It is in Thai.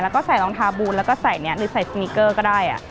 แล้วก็ใส่รองเท้าบูนแล้วก็ใส่นี้หรือใส่สมิเกอร์ก็ได้